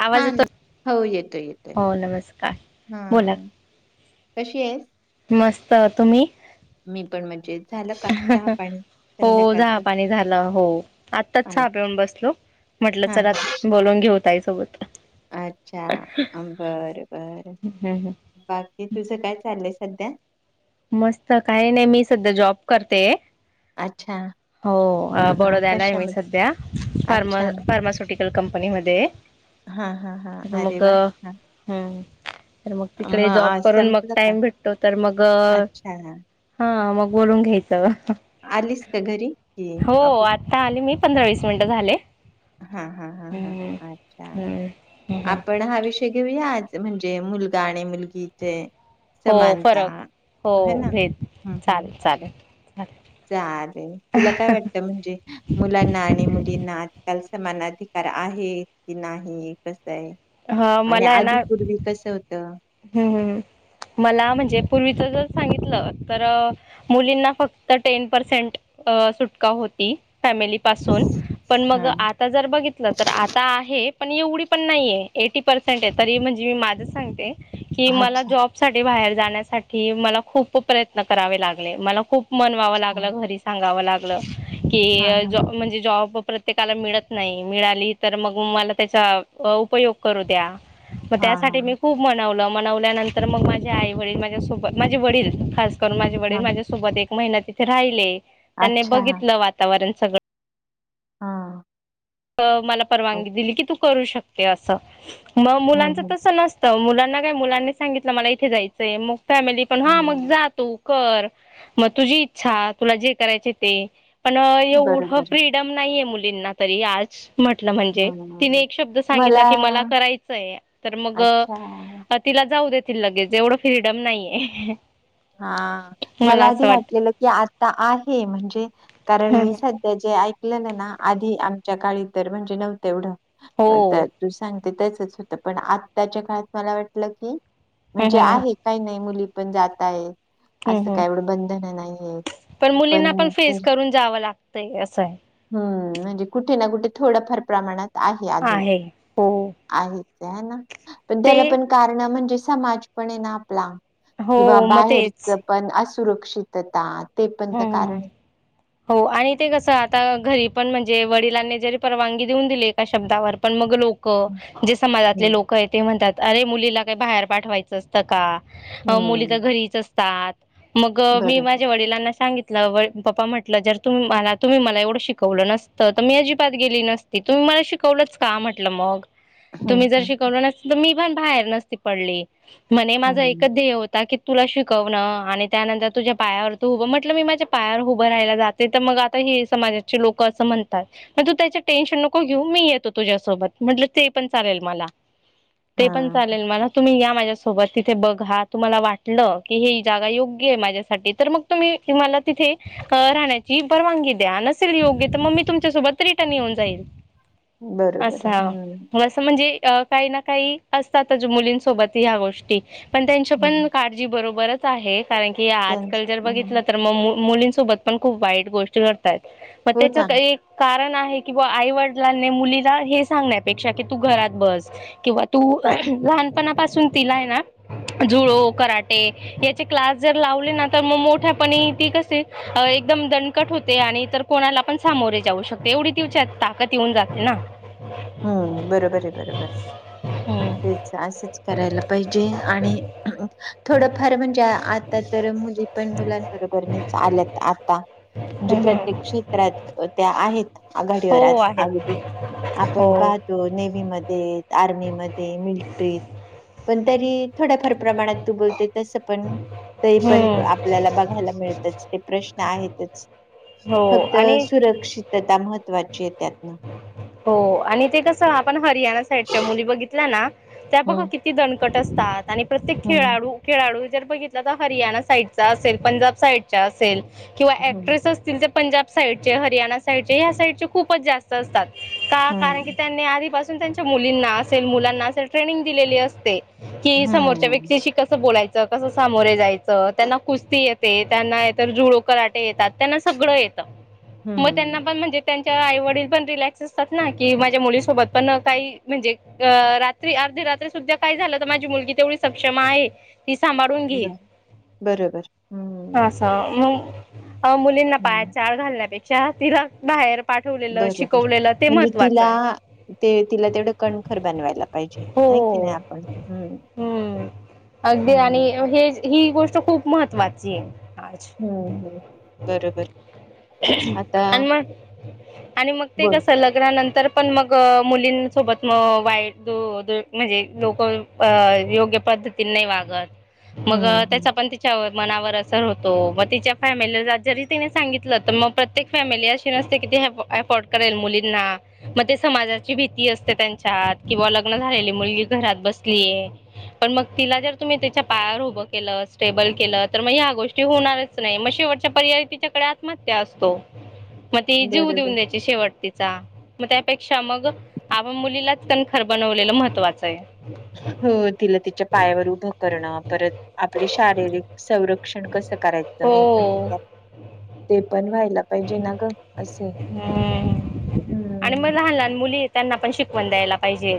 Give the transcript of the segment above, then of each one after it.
आवाज हा येतो ना हो येतोय येतोय हो नमस्कार बोला हम कशी आहेस मस्त तुम्ही मी पण मजेत झालं का चहा पाणी हो चहा संध्याकाळच पाणी झालं हो हा आत्ताच चहा पिऊन बसलो म्हटलं हा चला हा. बोलून घेऊ ताई सोबत अच्छा बर बर हम्म हम्म. बाकी तुझ काय चाललं सध्या मस्त काही नाही मी सध्या जॉब करते अच्छा हो हा हा बडद्याला आहे मी कशामध्ये सध्या फार्मा अच्छा फार्मासुटिक कंपनी मध्ये हा हा हा अरे मग वा हा तर मग तिकडे जॉब मग करून मग संपलं का टाइम भेटतो तर मग अच्छा मग बोलून घ्यायच आलीस का घरी कि हो ऑफिस आता आली मी पंधरा मिनटं झाले हा हा हा ह हम्म अच्छा हम्म हम्म आपण हा विषय घेऊया म्हणजे मुलगा आणि मुलगी इथे हो समानता फरक हो ह ना भेद हम्म चालेल हम्म चालेल चालेल चालेल तुला काय वाटत म्हणजे मुलांना आणि मुलींना ल समान अधिकार आहे की नाही कस ह आणि मला आहे आधी ना पूर्वी कसं होतं हम्म हम् मला म्हणजे पूर्वीच जर सांगितलं तर मुलींना फक्त टेन पर्सेंट अ सुटका होती फॅमिली पासून हं, पण मग हां. आता जर बघितलं तर आता आहे पण एवढी पण नाहीये एटी पर्सेंट आहे तरी म्हणजे मी माझं सांगते कि मला अच्छा, जॉब साठी बाहेर जाण्यासाठी मला खूप प्रयत्न करावे लागले मला खूप म्हनवावं अच्छा. लागलं घरी सांगावं लागलं हां, की हां. ज म्हणजे जॉब प्रत्येकाला मिळत नाही मिळाली तर मग मला त्याचा उपयोग करू द्या मग हां, त्यासाठी मी हां. खूप नवल्यानंतर मग माझे आई वडील माझ्यासोबत माझे वडील खास करून माझे वडील हां. माझ्यासोबत एक महिना तिथे राहिले त्यांनी अच्छा. बघितलं वातावरण सगळं हा मला परवानगी दिली की तू करू शकते असं मग हं, मुलांच हं. तस नसत मुलांना काय मुलांनी सांगितलं मला इथे जायचंय मग फॅमिली पण हा मग हं. जा तू कर मग तुझी इच्छा तुला जे करायचे ते पण एवढं बरोबर. फ्रीडम नाहीये मुलींना तरी आज म्हटलं म्हणजे तिने हं. एक शब्द सांगितला की मला करायचंय तर मग अच्छा. तिला जाऊ देतील लगेच एवढं फ्रीडम नाहीये हा मला आधी असं वाटत वाटलेलं की आता आहे म्हणजे कारण मी सध्या ऐक ना आधी आमच्या काळी तर म्हणजे नव्हत येवढ हो तर तू सांग तेचच होत पण आताच्या काळात मला वाटलं की हम्म म्हणजे हम्म आहे काही नाही मुली पण जातय हम्म असं हम्म काही एवढं बंधन नाहीय आहेत पण मुलींना फेस करून जावं लागतंय असं आहे हम्म म्हणजे कुठे ना कुठे थोडंफार प्रमाणात आहे अजून आहे ना पण ते त्याला पण कारण म्हणजे समाज पण आहे ना आपला हो किंवा मग तेच बाहेरच पण असुरक्षिततात हम् हो आणि ते कस आता घरी पण म्हणजे वडिलांनी जरी परवानगी देऊन दिली एका शब्दावर पण मग लोक जे हम्म समाजातले लोक आहे ते म्हणतात अरे मुलीला काही बाहेर पाठवायचं असतं का मुली तर हम्म घरीच असतात मग मी बरोबर माझ्या वडिलांना सांगितलं पप्पा म्हटलं जर तुम्ही मला तुम्ही मला एवढं शिकवलं नसतं तर मी अजिबात गेली नसती तुम्ही मला शिकवलंच का म्हटलं मग हम्म तुम्ही जर हम्म शिकवलं नसल तर मी पण बाहेर नसती पडली म्हणे माझा हम्म एकच ध्येय होता की तुला शिकवणं आणि त्यानंतर तुझ्या पायावर उभं माझ्या पायावर उभारायला जाते तर मग ही समाजाची लोक म्हणतात मग तु त्याच टेन्शन नको घेऊ मी येतो तुझ्यासोबत म्हटलं ते पण चालेल मला हा ते पण चालेल मला तुम्ही या माझ्यासोबत तिथे बघा तुम्हाला वाटलं की हे जागा योग्य आहे माझ्यासाठी तर मग तुम्ही की मला तिथे राहण्याची परवानगी द्या नसेल योग्य तर मग मी तुमच्यासोबत रिटर्न येऊन जाईल बरोबर असा हम्म असं म्हणजे अ काही ना काही असतातच मुलींसोबत ह्या गोष्टी पण त्यांचची पण हम्म काळजी बरोबरच आहे कारण की त्यांच आजकाल जर बघितलं हम्म तर मुलींसोबत पण खूप वाईट गोष्ट होतायंत मग हो ना त्याच एक कारण किंवा आई वडिलांनी मुलीला हे सांगण्यापेक्षा कि तू घरात बस किंवा तू लहानपणापासून तिलाय ना जुळो कराटे याचे क्लास जर लावले ना तर मग मोठ्या पण ती कसे एकदम दणकट होते आणि तर कोणाला पण सामोरे जाऊ शकते एवढी तिच्यात ताकद येऊन जाते ना हम्म बरोबर आहे बरोबर हम्म. तेच असंच करायला पाहिजे आणि थोडंफार म्हणजे आता तर तर मुली पण मुलांबरोबर नाही चालत आता म्हणजे हम्म. प्रत्येक हम्म. क्षेत्रात त्या आहेत हो आघाडीवर आहेत. आजही हो. आपण पाहतो नेवीमध्ये, आर्मीमध्ये, मिलट्रीत पण तरी थोड्याफार प्रमाणात तू बोलते तसं पण ते पण हम्म. आपल्याला बघायला मिळतच ते प्रश्न आहेतच हो फक्त आणि सुरक्षितता महत्वाची आहे त्यातनं हो आणि ते कसं आपण हरियाणा साईडच्या मुली बघितल्या ना त्या बघा हम्म किती दणकट असतात आणि प्रत्येक हम्म. खेळाडू खेळाडू जर बघितला तर हरियाणा साईडचा असेल पंजाब साईडचा असेल किंवा हम्म. ऍक्ट्रेस असतील ते पंजाब साईडचे हरियाणा साईडचे ह्या साईडचे खूपच जास्त असतात का कारण की हम्म त्यांनी आधीपासून त्यांच्या मुलींना असेल मुलांना असेल ट्रेनिंग दिलेली असते कि समोरच्या हम्म. व्यक्तीशी कसं बोलायच कसं सामोरे जायचं त्यांना कुस्ती येते त्यांना इतर जुळो कराटे येतात त्यांना सगळं येते मगं हम्म. त्यांना पण म्हणजे त्यांच्या आईवडील पण रिल्याक्स असतात ना की माझ्या मुलीसोबत पण काही म्हणजे रात्री अपरात्री अर्ध रात्री सुद्धा काय झालं तर माझी मुलगी तेवढी सक्षम आहे ती सांभाळून ब घेईल बरोबर हम्म हा मगं अ मुलींना पायात हम्म चाळ घालण्यापेक्षा तिला बाहेर पाठवलेलं बरोबर शिकवलेलं ते म्हणजे महत्त्वाचं तिला आहे. ते तिला तेवढं कणखर बनवायला पाहिजे नाही की हो नाही आपण हम्म अगदी आणि हम्म हे ही गोष्ट खूप महत्त्वाची आहे आज हम्म हम्म बरोबर आता आणि मगं, आणि मगं ते बोल कस लग्नानंतर पण मंग मुलींसोबत मगं वाईट म्हणजे लोक योग्य पद्धतीने नाही वागत हम्म मगं हम्म त्याचा पण तिच्यावर- मनावर असर होतो मगं तिच्या फॅमिलीला जरी तिने सांगितलं तर मगं प्रत्येक फॅमिली अशी नसते की अफोर्ड करेल मुलींना मगं समाजाची भीती असते त्यांच्या किंवा लग्न झालेले मुलगी घरात बसलीय पण मगं तिला जर तुम्ही तिच्या पायावर उभं केलं स्टेबल केलं तर मग ह्या गोष्टी होणारच नाही मंग शेवटचा पर्याय तिच्याकडे आत्महत्या असतो मगं ती जीव बरोबर. देऊन द्यायची शेवट त मग त्यापेक्षा मग आं मुलीलाच कणखर बनवलेलं महत्त्वाचं आहे. हो तिला तिच्या पायावर उभं करणं, परत आपली शारीरिक संरक्षण कसं करायचं- आता मेन म्हणजे हो त्या, ते पण व्हायला- पाहिजे ना गं असेय. हम्म. हुं- नि त्यानां पण शिकवन द्यायला पाहीजे,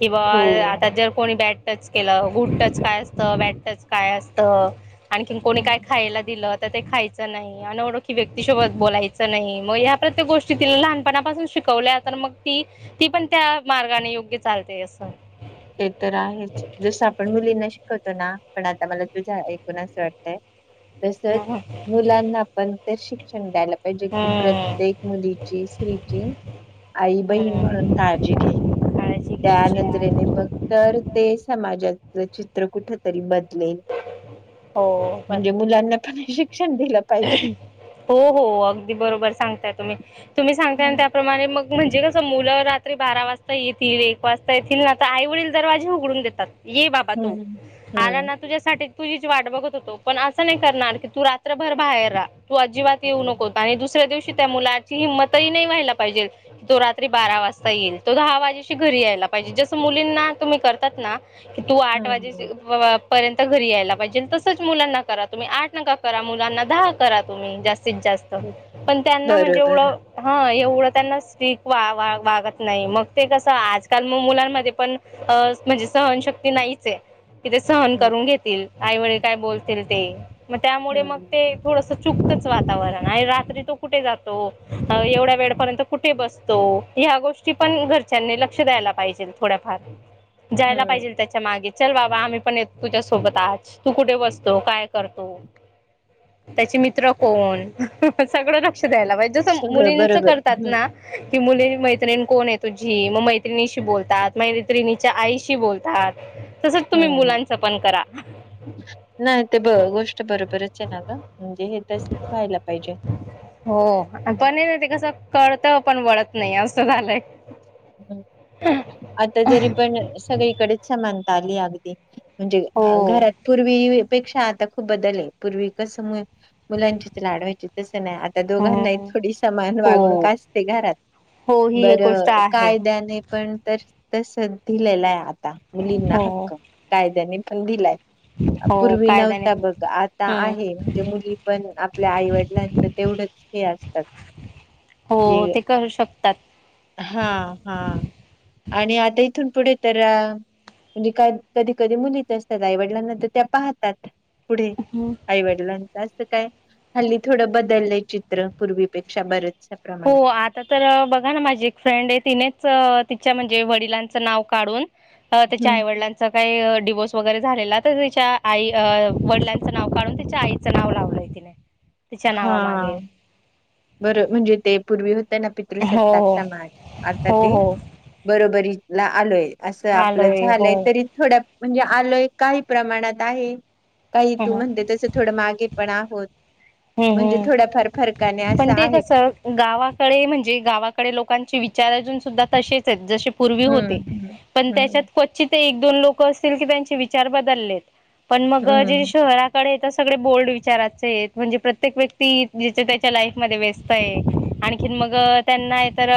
कि हो बाबा आता जर कोणी बॅ- टच केलं गुड टच काय, असतं बॅड टच काय असतं, आणखीन कोणी काय हम्म, खायला दिलं. - ते खायच नाही, अनोळखी व्यक्ती- सोबत बोलायच, नाही मग ह्या प्रत्येक गोष्टी तिला लहानपासून शिकवल्या तर मगं ती -ती पण त्या- मार्गाने योग्य चालते असं- ते तर आहेच, जसं आपण मुलींना शिकवतो ना- पण आता मला तुझ ऐकून असं वाटतय, तसच हम्म मुलांना आपण ते श- शिक्षण द्यायला पाहिजे कि, प्रत्येक मुलीची स्त्रीची- आई बहीण हम्म. म्हणून काळजी घेई- काळजी त्या घ्यायची नजरेने आहे बघतर ते समाजाच चित्र कुठ तरी बद- हो म्हणजे बरोबर मुलांना पण हे शिक्षण दिलं पाहिजे. हों हों अगदी बरोबर सांगताय तुम्ही -तुम्ही सांगता आणि हम्म. त्याप्रमाणे मगं म्हणजे कसं मुलं रात्री बारा वाजता येतील, एक वाजता येतील, ना आता आई वडील दरवाजे उघडूनही देतात. ये बाबा तू हम्म आला ना- हम्म. साठी तूझीच वाट बघत होतो पण असं नाही करणार की तू रात्रभर बाहेर रा- तू अजिबात येऊ नको आणि दुसर्‍या दिवशी- त्या मुलाची हिमत नाही व्हायला पाहिजे क तो रात्री बारा वाजता येईल तो दहा वाजेशी घरी यायला जस मुलींना तुम्ही करतात नां की तू आठ वाजेस हम्म बाबा- पर्यंत घरी यायला पाहिजे. तसच मुलांना करा तुम्ही आठ नका करा, मुलांना दहा करा, तुम्ही जास्त- जास्तीत जास्त. पण त्यांना म्हणजे बरोबर एवढं हां एवढं त्यांना स्ट्रीक्ट वा- वागत नाही मग ते कसं आजकाल मग मुलांमध्ये पण अं- म्हणजे सहशक्ती नाहीचेय ते -सह न हम्म करून घेतील आई -वडील काय बोलतील ते मग त्यामुळे मग हम्म. ते थोडस- चुतच वातावरण. आणि रात्री तो कुठे जातो, एवढ्या वेळपर्यंत कुठे बसतो. ह्या गोष्टी पण घरच्यांनी लक्ष द्यायला पाहिजे थोड्याफार. जायला हम्म पाहिजे त्याच्या मागे चल बाबा आम्ही पण ये- तो तुझ्यासोबत आज तू कुठे बसतो काय करतो. त्याचे मित्र कोण, सगळं- लक्ष द्यायला पाहिजे. जस सगळं मुलींच बरोबर करतात हम्म ना- की मुली मैत्रिणी कोण आहे तुझी, मग मैत्रिणीशी बोलतात, मैत्रिणीच्या आईशी बोलता-. तसंच तुम्ही हम्म. मुलांचं पण करा. नाही ते ब गोष्ट बरोबरच आहे ना गं, म्हणजे हे तसच व्हायला पाहिजे. होः हम्म. आता मी माहितेय कसं कळत पण वळत नाही असं झालंय. हं आता जरी पणं सगळीकडेच समानता आलीये अगदी. म्हणजे आ हो. घरात पूर्वी पेक्षा आता खूप बदलेय आहे पूर्वी कस- मुलांचीच लाढवायची तसं नाही आता दोघांना हं. थोडी समान हो. वागणूक असते घरात हो, ही एक गोष्ट बरं आ- कायद्याने पण तर तस धिलेलं आहे आता मुलींना हो. हक्क कायद्याने- पण दिलाय- [inaudible] पूर्वी कायद्याने नव्हता पण बघा, आता हं. आहे म्हणजे मुली पण आपल्या आईवडिलांचं तेवढंच- ते असतात. हों ते करू शकतात. हां हां आणि आता इथून पुढे तर आं- म्हणजे कध कधी -कधी मुलीच असतात आईवडिलांना तर त्या पाहतात. पुढे हं. आईवडिलां जास्त काय हल्ली थोडं बदललय चित्र पूर्वीपेक्षा बरच हो आता तर बघा ना माझी फ्रेंड आहे तिनेच तिच्या म्हणजे वडिलांचं नाव काढून तिच्या आईवडिलांच काही डिव्होर्स वगैरे झालेला तर तिच्या आई वडिलांचं नाव काढून तिच्या आईचं नाव लावलंय तिने तिच्या हा नावामागे बरं म्हणजे ते पूर्वी होते ना पितृसत्ताक हो. हो, समाज आता हो. ते हो. बरोबरीला आलोय असं आपलं आलोय हो. झालंय तरी थोड्या म्हणजे आलोय काही प्रमाणात आहे काही हं, तू हं. म्हणते तस थोडं मागे पण आहोत म्हणजे थोडाफार फरकाने अस कस गावाकडे म्हणजे गावाकडे लोकांचे विचार अजून सुद्धा तसेच आहेत ज पूर्वी हम्म होते पण त्याच्यात हम्म क्वचित एक दोन लोक असतील की त्यांचे विचार बदललेत पण मग जे हम्म शहराकडे तर सगळे बोल्ड विचाराचे आहेत म्हणजे प्रत्येक व्यक्ती जिच्या त्याच्या लाईफ मध्ये व्यस्त आहे आणखीन मग त्यांना तर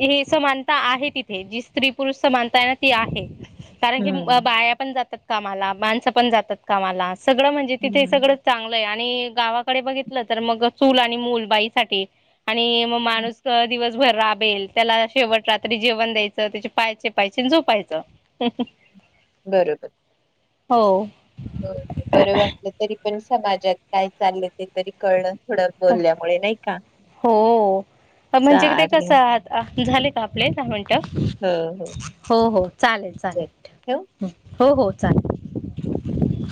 हे स मानता आहे तिथे जी स्त्री पुरुष समानता ना ती आहे कारण की हम्म बाया पण जातात कामाला माणसं पण जातात कामाला सगळं म्हणजे तिथे हम्म सगळं चांगलं आहे आणि गावाकडे बघित तर म चूल आणि मल बाई साठी आणि माणूस दिवस राबेल त्याला शेवट रात्री जेवण द्यायचं त्याचे पाय चेपायचे आणि मग झोपायचं बरोबर हो हो बरं वाटलं तरी पण समाजात काय चाललं ते तरी कळलं थोडं बोलल्यामुळे नाही का हो म्हणजे क ते कसं चालेल आात झाले का आपले दहा मिनिट हो हो चालेल चल ठेवू चालेल. हो हो चालेल.